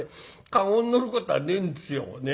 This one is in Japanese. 駕籠に乗ることはねんですよ。ね？